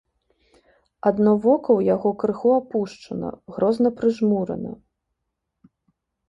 Адно вока ў яго крыху апушчана, грозна прыжмурана.